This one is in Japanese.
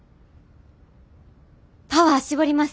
パワー絞ります。